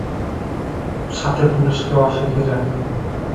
সাথে পুরুষকেও অসুখী রাখে।